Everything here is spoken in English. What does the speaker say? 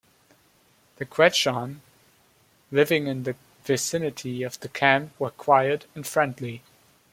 The Quechan living in the vicinity of the camp were quiet and friendly.